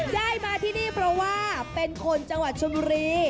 ได้มาที่นี่เพราะว่าเป็นคนจังหวัดชนบุรี